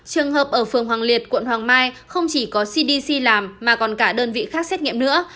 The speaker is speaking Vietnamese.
trường hợp ở phường hoàng liệt quận hoàng mai không chỉ có cdc làm mà còn cả đơn vị khác xét nghiệm nữa